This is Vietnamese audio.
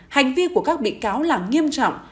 hành vi của các bị cáo là nghiêm trọng